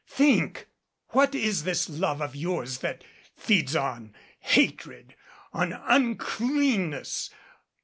Think! What is this love of yours that feeds on hatred on uncleanness